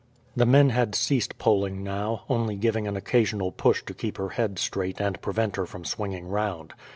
The men had ceased poling now, only giving an occasional push to keep her head straight and prevent her from swinging round.